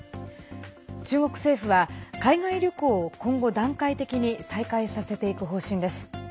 中国政府は、海外旅行を今後段階的に再開させていく方針です。